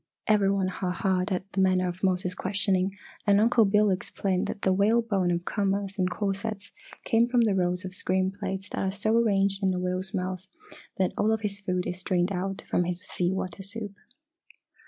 Every one ha haed at the manner of Mose's questioning, and Uncle Bill explained that the whalebone of commerce and corsets came from the rows of screen plates that are so arranged in a whale's mouth that all of his food is strained out from his sea water soup.